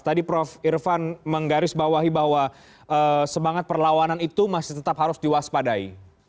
tadi prof irfan menggarisbawahi bahwa semangat perlawanan itu masih tetap harus diwaspadai